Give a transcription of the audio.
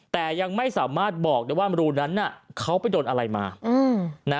แต่ยังไม่สามารถบอกได้ว่ารูนั้นเขาไปโดนอะไรมา